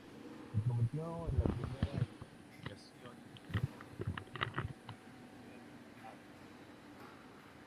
Se convirtió en la primera edificación del norte de Chile en poseer ascensor.